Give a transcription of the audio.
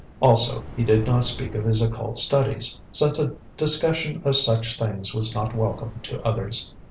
Also, he did not speak of his occult studies, since a discussion of such things was not welcome to others.